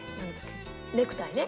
ネクタイね。